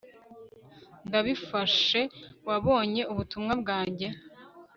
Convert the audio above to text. ndabifashe wabonye ubutumwa bwanjye